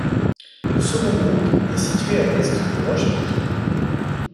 Le second groupe est situé à l'est des Roches Piquées.